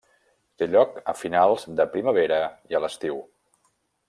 Té lloc a finals de primavera i a l'estiu.